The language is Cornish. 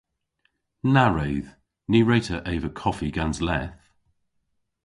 Na wredh! Ny wre'ta eva koffi gans leth.